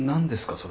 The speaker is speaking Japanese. それ。